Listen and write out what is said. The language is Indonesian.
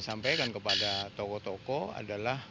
sampaikan kepada tokoh tokoh adalah